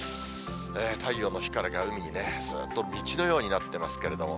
太陽の光が海にすーっと道のようになってますけれども。